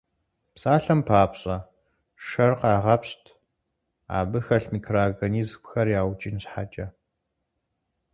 Псалъэм папщӀэ, шэр къагъэпщт, абы хэлъ микроорганизмхэр яукӀын щхьэкӀэ.